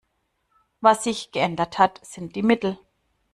Was sich geändert hat, sind die Mittel.